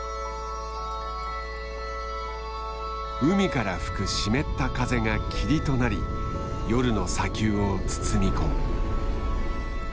海から吹く湿った風が霧となり夜の砂丘を包み込む。